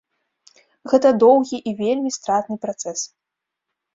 Гэта доўгі і вельмі стратны працэс.